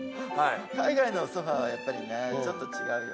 海外のソファはやっぱりねちょっと違うよね。